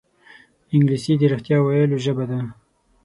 انګلیسي د رښتیا ویلو ژبه ده